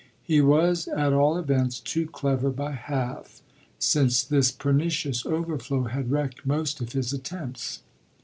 He was at all events too clever by half, since this pernicious overflow had wrecked most of his attempts.